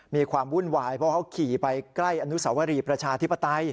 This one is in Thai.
มีความวุ่นวายเพราะเขาขี่ไปใกล้อนุสวรีประชาธิปไตย